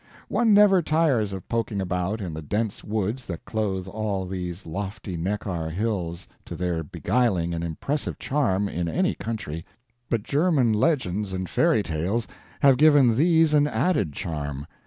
One never tires of poking about in the dense woods that clothe all these lofty Neckar hills to their tops. The great deeps of a boundless forest have a beguiling and impressive charm in any country; but German legends and fairy tales have given these an added charm.